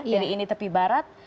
jadi ini tepi barat